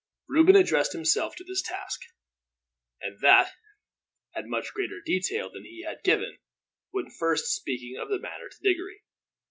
Reuben addressed himself to his task, and that at much greater detail than he had given, when first speaking of the matter to Diggory.